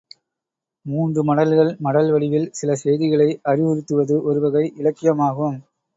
மூன்று மடல்கள் மடல் வடிவில் சில செய்திகளை அறிவுறுத்துவது ஒருவகை இலக்கியமாகும்.